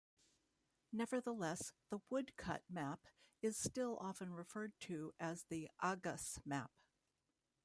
Nevertheless, the Woodcut map is still often referred to as the "Agas" map.